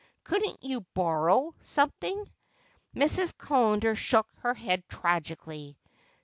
Couldn't you borrow something?" Mrs. Callender shook her head tragically.